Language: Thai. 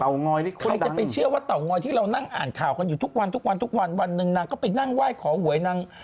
เตางอยนี่คุณดังใครจะไปเชื่อว่าเตางอยที่เรานั่งอ่านข่าวอยู่ทุกวันวันหนึ่งนางก็ไปนั่งไหว้ขอหวยนาง